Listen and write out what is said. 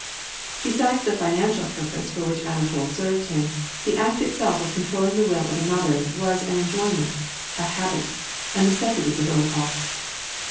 Besides the financial purpose for which Anatol served him, the act itself of controlling the will of another was an enjoy ment, a habit, and a necessity for Dolokhof.